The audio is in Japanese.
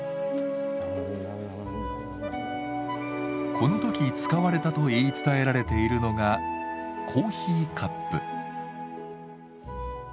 この時使われたと言い伝えられているのがコーヒーカップ。